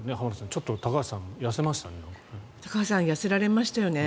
ちょっと高橋さん痩せましたね。